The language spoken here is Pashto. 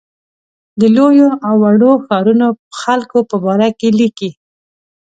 د لویو او وړو ښارونو خلکو په باره کې لیکي.